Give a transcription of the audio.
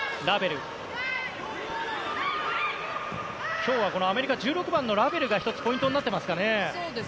今日はアメリカ１６番のラベルが１つ、ポイントになっていますかね。